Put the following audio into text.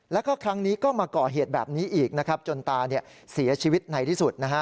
แล้วก็ครั้งนี้ก็มาก่อเหตุแบบนี้อีกนะครับจนตาเสียชีวิตในที่สุดนะฮะ